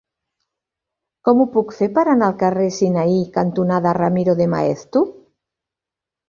Com ho puc fer per anar al carrer Sinaí cantonada Ramiro de Maeztu?